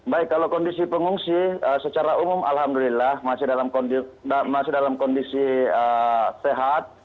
baik kalau kondisi pengungsi secara umum alhamdulillah masih dalam kondisi sehat